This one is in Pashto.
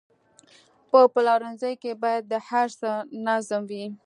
په پلورنځي کې باید د هر څه نظم وي.